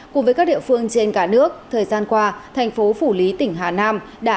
cùng với các địa phương trên cả nước thời gian qua thành phố phủ lý tỉnh hà nam đã